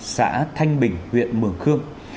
xã thanh bình huyện mường khương